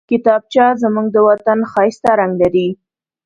کتابچه زموږ د وطن ښايسته رنګ لري